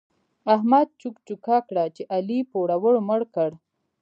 احمد چوک چوکه کړه چې علي پوروړو مړ کړ.